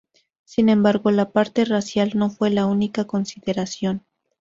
Sin embargo, la parte racial no fue la única consideración.